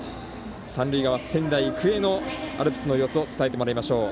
三塁側、仙台育英のアルプスの様子を伝えてもらいましょう。